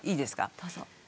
どうぞ。